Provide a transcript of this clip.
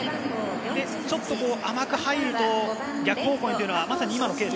ちょっと甘く入ると逆方向っていうのはまさに、今の。